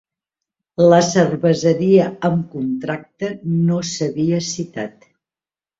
La cerveseria amb contracte no s'havia citat.